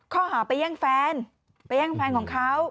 ข้อหาไปแย่งแฟนไปแย่งแฟนของเขา